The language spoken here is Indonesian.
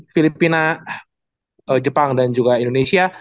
filipina jepang dan juga indonesia